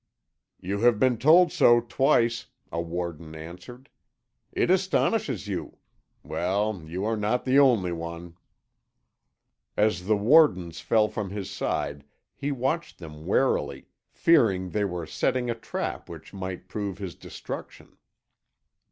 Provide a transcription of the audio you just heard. "You have been told so twice," a warder answered. "It astonishes you. Well, you are not the only one." As the warders fell from his side he watched them warily, fearing they were setting a trap which might prove his destruction.